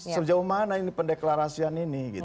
sejauh mana ini pendeklarasian ini